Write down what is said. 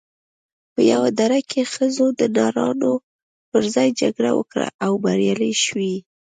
په یوه دره کې ښځو د نرانو پر ځای جګړه وکړه او بریالۍ شوې